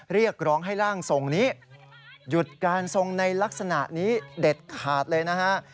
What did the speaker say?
เรียกร้องให้ร่างทรงนี้หยุดการทรงในลักษณะนี้เด็ดขาดเลยนะฮะ